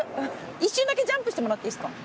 一瞬だけジャンプしてもらっていいですか？